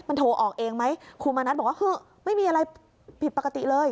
มันโทรออกเองไหมครูมณัฐบอกว่าคือไม่มีอะไรผิดปกติเลย